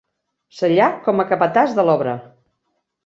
Sellars com a capatàs de l'obra.